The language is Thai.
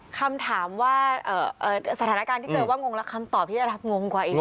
คำถามว่าสถานการณ์ที่เจอว่างงและคำตอบที่จะงงกว่าอีก